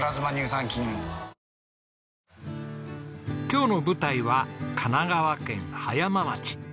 今日の舞台は神奈川県葉山町。